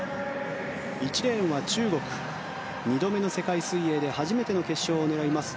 １レーンは中国、２度目の世界水泳で初めての決勝を狙います